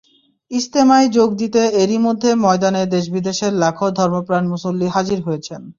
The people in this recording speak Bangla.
ইজতেমায় যোগ দিতে এরই মধ্যে ময়দানে দেশ-বিদেশের লাখো ধর্মপ্রাণ মুসল্লি হাজির হয়েছেন।